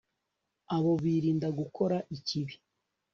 abo birinda gukora ikibi